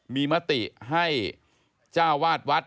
มีมติให้เจ้าวาดวัด